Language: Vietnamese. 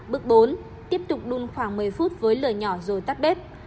bước bốn tiếp tục đun khoảng một mươi phút với lời nhỏ rồi tắt bếp